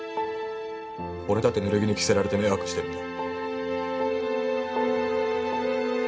俺だってぬれぎぬ着せられて迷惑してるんだ。